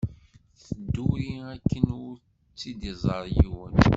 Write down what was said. Tedduri akken ur tt-id-iẓer yiwen.